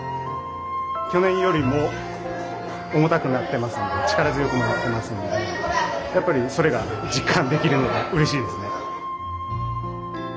去年よりも重たくなってますんで力強くなってますんでやっぱりそれが実感できるのがうれしいですね。